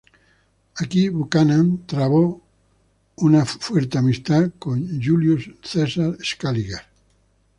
Aquí Buchanan trabó una fuerte amistad con Julius Caesar Scaliger.